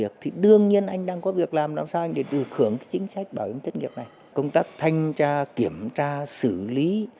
công tác thanh tra kiểm tra xử lý